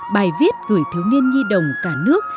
bài viết gửi thiếu niên nhi đồng cả nước